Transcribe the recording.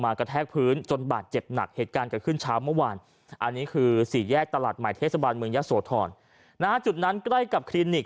กระแทกพื้นจนบาดเจ็บหนักเหตุการณ์เกิดขึ้นเช้าเมื่อวานอันนี้คือสี่แยกตลาดใหม่เทศบาลเมืองยะโสธรณจุดนั้นใกล้กับคลินิก